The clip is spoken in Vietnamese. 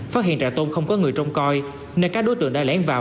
phát hiện trại tôn không có người trông coi nên các đối tượng đã lén vào